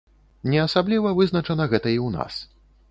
Не асабліва вызначана гэта і ў нас.